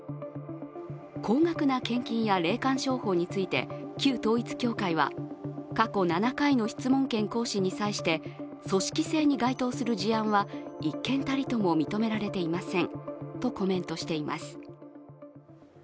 高額な献金や霊感商法について旧統一教会は過去７回の質問権行使に際して組織性に該当する事案は１件たりとも認められていませんとコメントしています。